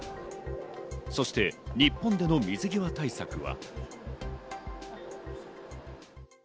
そして日本での水際対策は。